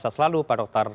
selamat selalu pak dokter